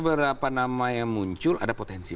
beberapa nama yang muncul ada potensi